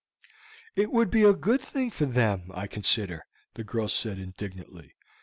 "It would be a good thing for them, I consider," the girl said indignantly.